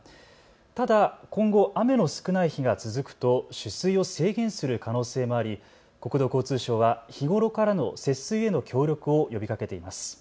ただ今後、雨の少ない日が続くと取水を制限する可能性もあり国土交通省は日頃からの節水への協力を呼びかけています。